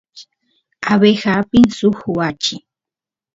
abeja apin suk wachi